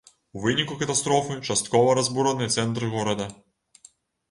У выніку катастрофы часткова разбураны цэнтр горада.